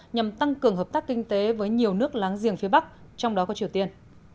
nhằm tăng cường hợp tác kinh tế với nhiều nước láng giềng phía bắc trong đó có triều tiên